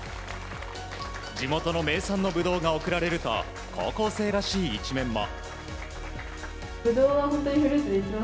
地元の名産のブドウが贈られると高校生らしい一面も。